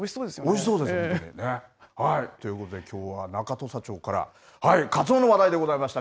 おいしそうですよね。ということで、きょうは中土佐町からかつおの話題でございました。